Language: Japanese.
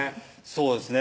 そうですね